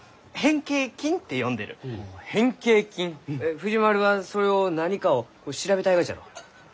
藤丸はそれを何かを調べたいがじゃろう？